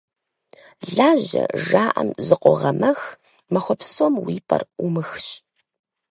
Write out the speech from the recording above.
«Лажьэ» жаӀэм зыкъогъэмэх, махуэ псом уи пӀэр Ӏумыхщ.